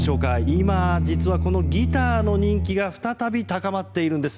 今、実はこのギターの人気が再び高まっているんです。